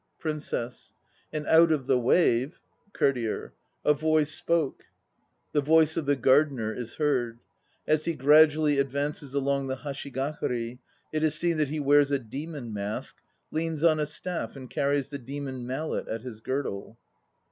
PRINCESS. And out of the wave COURTIER. A voice spoke. (The voice of the GARDENER is heard; as he gradually ad vances along the hashigakari it is seen that he wears a "demon mask," leans on a staff and carries the "demon mallet" at his girdle.)